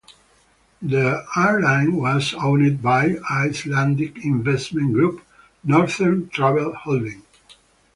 The airline was owned by Icelandic investment group, Northern Travel Holding.